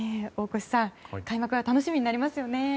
大越さん開幕が楽しみになりますよね。